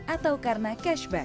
atau karena cashback